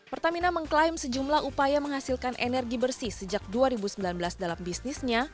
pertamina mengklaim sejumlah upaya menghasilkan energi bersih sejak dua ribu sembilan belas dalam bisnisnya